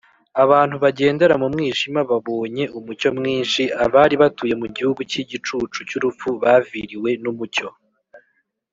.” “Abantu bagendera mu mwijima babonye umucyo mwinshi, abari batuye mu gihugu cy’igicucu cy’urupfu baviriwe n’umucyo